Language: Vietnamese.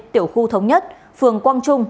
tiểu khu thống nhất phường quang trung